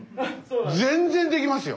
全然できますよ。